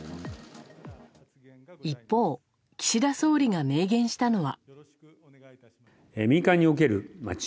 一方、岸田総理が明言したのは。